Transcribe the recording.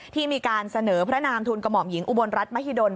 ที่มีการเสนอพระนามทุนกระหม่อมหญิงอุบลรัฐมหิดล